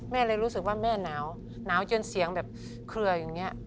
เลยรู้สึกว่าแม่หนาวหนาวจนเสียงแบบเครืออย่างนี้